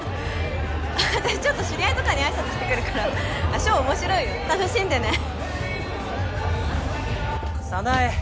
私ちょっと知り合いとかにあいさつしてくるからショーおもしろいよ楽しんでね早苗！